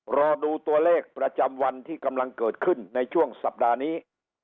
รอดูตัวเลขประจำวันที่กำลังเกิดขึ้นในช่วงสัปดาห์นี้